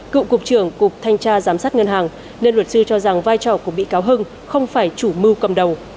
cựu cục trưởng cục thanh tra giám sát ngân hàng nên luật sư cho rằng vai trò của bị cáo hưng không phải chủ mưu cầm đầu